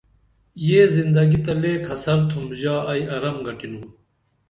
یہ زندگی تہ لے کھسرتُھم ژا ائی آرام گٹِنُم